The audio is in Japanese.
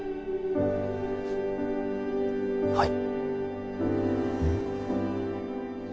はい。